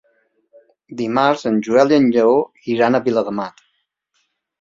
Dimarts en Joel i en Lleó iran a Viladamat.